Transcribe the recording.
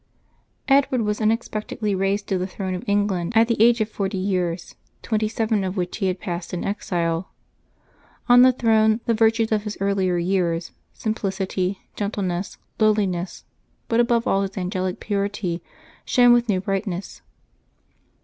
/i^DWARD was unexpectedly raised to the throne of Eng VJl land at the age of forty years, twenty seven of which he had passed in exile. On the throne, the virtues of his earlier vears, simplicity, gentleness, lowliness, but above all his angelic purity, shone with new brightness.